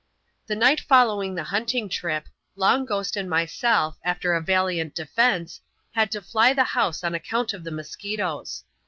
The night following the hunting trip, Long Ghost and myself, after a valiant defence, had to flj the house on account of tiie musquitoes.